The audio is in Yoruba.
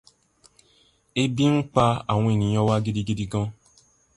Ebi ń pa àwọn ènìyàn wa gidigidi gan.